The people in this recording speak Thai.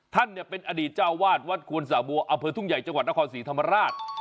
ท่านเป็นอดีตเจ้าวาดวัดหวัลสาบัวอเผิดทุ่งใหญ่จังหวัดนครศรีธรรมราช